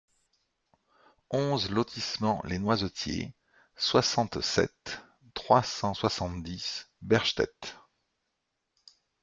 onze lotissement les Noisetiers, soixante-sept, trois cent soixante-dix, Berstett